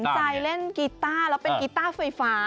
ไม่ถึงสนใจเล่นกีตาร์แล้วเป็นกีตาร์ไฟฟ้า